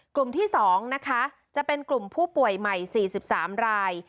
กลุ่มที่๒นะคะจะเป็นกลุ่มผู้ป่วยใหม่๔๓ราย